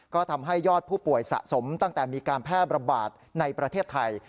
ก็ทำให้ยอดผู้ป่วยสะสมตั้งแต่มีการแพร่ระบาดในประเทศไทย